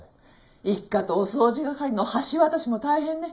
一課とお掃除係の橋渡しも大変ね。